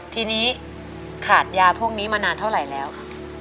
ทีนี้ขาดยาพวกนี้มานานเท่าไหร่แล้วค่ะ